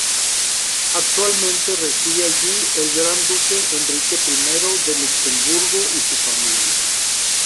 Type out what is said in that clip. Actualmente reside allí el gran duque Enrique I de Luxemburgo y su familia.